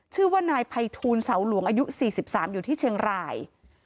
ชื่อว่านายภัยทูลเสาหลวงอายุ๔๓อยู่ที่เชียงราย